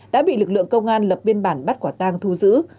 đã bị lực lượng công an lập biên bản bắt quả tang thu giữ